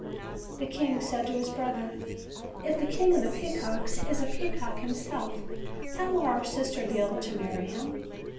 The king said to his brother: "If the King of the Pea cocks is a peacock himself, how will our sister be able to marry him?